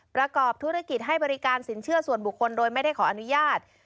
ประกอบธุรกิจให้บริการสินเชื่อส่วนบุคคลโดยไม่ได้ขออนุญาต